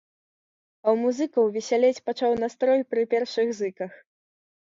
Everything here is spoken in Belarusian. А ў музыкаў весялець пачаў настрой пры першых зыках.